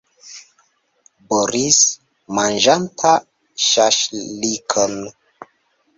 Boris, manĝanta ŝaŝlikon.